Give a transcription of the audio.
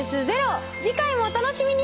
次回もお楽しみに！